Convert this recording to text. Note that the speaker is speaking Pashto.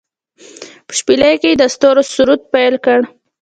په شپیلۍ کې يې د ستورو سرود پیل کړ